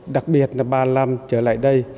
đặc biệt là ba năm trở lại đây